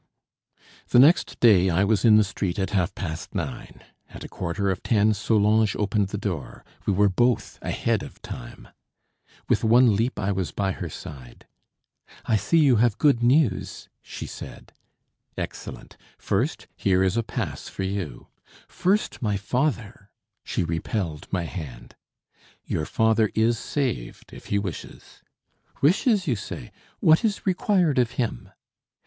The next day I was in the street at half past nine. At a quarter of ten Solange opened the door. We were both ahead of time. With one leap I was by her side. "I see you have good news," she said. "Excellent! First, here is a pass for you." "First my father!" She repelled my hand. "Your father is saved, if he wishes." "Wishes, you say? What is required of him?"